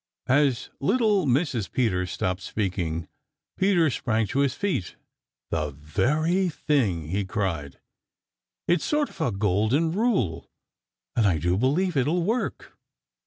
As little Mrs. Peter stopped speaking, Peter sprang to his feet. "The very thing!" he cried. "It's sort of a Golden Rule, and I do believe it will work."